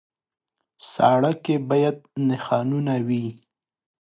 سړک کې باید نښانونه وي.